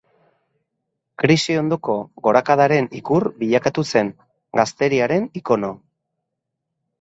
Krisi ondoko gorakadaren ikur bilakatu zen, gazteriaren ikono.